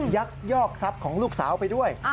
ยักษ์ยอกสับของลูกสาวไปด้วย